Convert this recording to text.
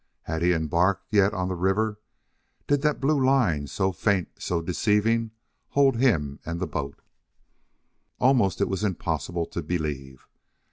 Had he embarked yet on the river did that blue line, so faint, so deceiving, hold him and the boat? Almost it was impossible to believe.